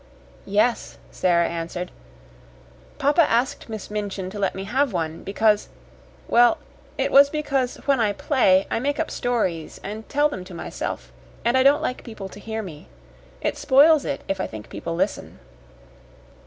"Yes," Sara answered. "Papa asked Miss Minchin to let me have one, because well, it was because when I play I make up stories and tell them to myself, and I don't like people to hear me. It spoils it if I think people listen."